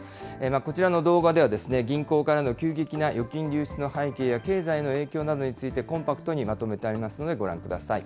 こちらの動画では銀行からの急激な預金流出の背景や経済への影響などについてコンパクトにまとめてありますのでご覧ください。